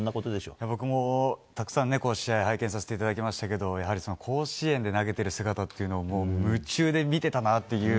僕もたくさん、試合を拝見させていただきましたが甲子園で投げてる姿を夢中で見てたなという。